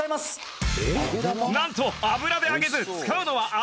なんと油で揚げず使うのは揚げ玉